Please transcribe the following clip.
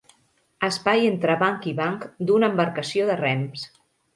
Espai entre banc i banc d'una embarcació de rems.